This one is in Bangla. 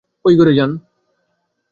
ওই ঘরে যান।